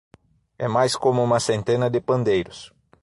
É mais como uma centena de pandeiros.